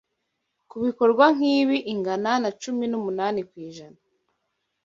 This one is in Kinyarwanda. ku bikorwa nk’ibi ingana na cumi n’ umunani ku ijana